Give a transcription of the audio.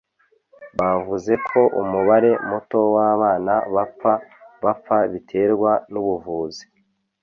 bavuze ko umubare muto w'abana bapfa bapfa biterwa n'ubuvuzi